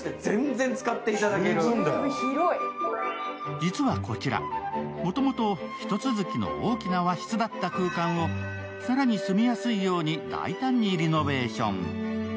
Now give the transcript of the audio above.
実はこちら、もともと一続きの大きな和室だった空間を更に住みやすいように大胆にリノベーション。